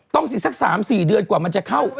สิสัก๓๔เดือนกว่ามันจะเข้า